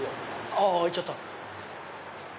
あっ開いちゃった。